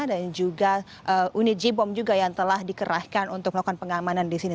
dan juga unit jibom juga yang telah dikerahkan untuk melakukan pengamanan di sini